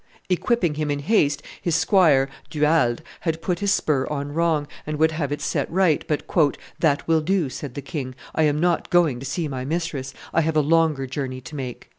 Equipping him in haste, his squire, Du Halde, had put his spur on wrong, and would have set it right, but, "That will do," said the king; "I am not going to see my mistress; I have a longer journey to make."